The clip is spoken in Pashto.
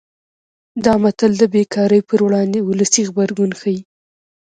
دا متل د بې کارۍ پر وړاندې ولسي غبرګون ښيي